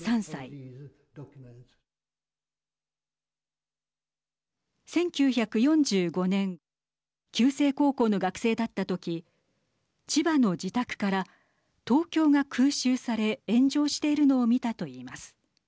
１９４５年旧制高校の学生だった時千葉の自宅から東京が空襲され炎上しているのを見たと言います。